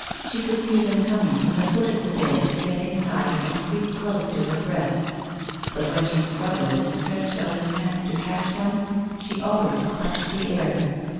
She could see them coming from the foot of the bed to get inside and creep close to her breast, but when she struggled and stretched out her hands to catch one, she always clutched the air.